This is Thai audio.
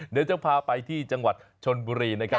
เดี๋ยวจะพาไปที่จังหวัดชนบุรีนะครับ